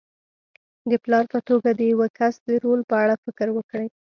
د پلار په توګه د یوه کس د رول په اړه فکر وکړئ.